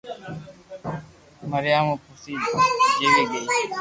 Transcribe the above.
مريا مون پئسي جيوي گئي